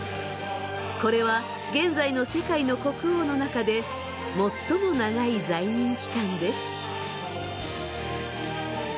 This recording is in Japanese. これは現在の世界の国王の中で最も長い在任期間です。